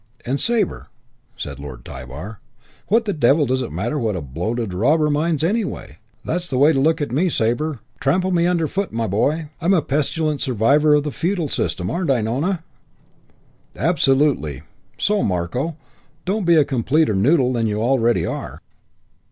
"And Sabre," said Lord Tybar, "what the devil does it matter what a bloated robber minds, anyway? That's the way to look at me, Sabre. Trample me underfoot, my boy. I'm a pestilent survivor of the feudal system, aren't I, Nona?" "Absolutely. So, Marko, don't be a completer noodle than you already are."